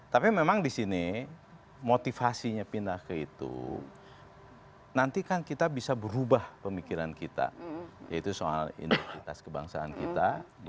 tapi memang di sini motivasinya pindah ke itu nanti kan kita bisa berubah pemikiran kita yaitu soal identitas kebangsaan kita